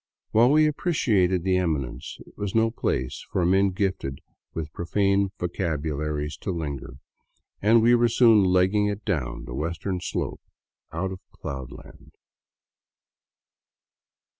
While we appreciated the eminence, it was no place for men gifted with profane vocabularies to linger, and we were soon legging it down the western slope out of Cloudland.